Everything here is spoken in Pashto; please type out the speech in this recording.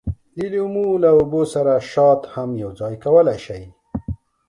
د لیمو له اوبو سره شات هم یوځای کولای شئ.